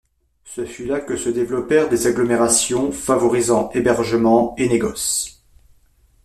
Ce fut là que se développèrent des agglomérations, favorisant hébergement et négoce.